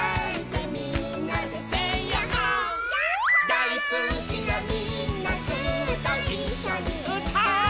「だいすきなみんなずっといっしょにうたおう」